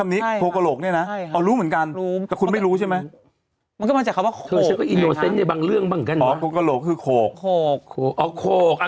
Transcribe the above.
ไม่ทุกคนพูดโขกเฉพาะแต่กลางสมุดทางคุณต้องโขกด้วยนะ